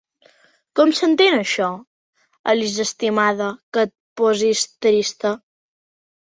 Com s'entén això, Elisa estimada, que et posis trista?